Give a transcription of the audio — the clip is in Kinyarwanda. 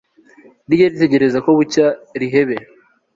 rijye ritegereza ko bucya rihebe